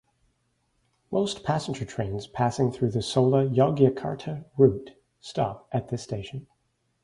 Most passenger trains passing the Solo–Yogyakarta route stop at this station.